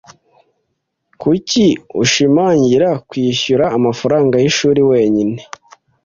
Kuki ushimangira kwishyura amafaranga y'ishuri wenyine,